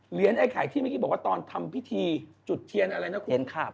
ไอ้ไข่ที่เมื่อกี้บอกว่าตอนทำพิธีจุดเทียนอะไรนะคุณ